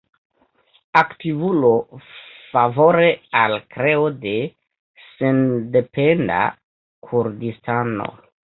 Aktivulo favore al kreo de sendependa Kurdistano.